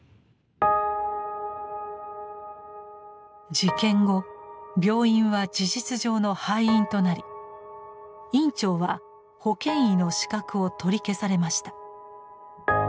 事件後病院は事実上の廃院となり院長は保険医の資格を取り消されました。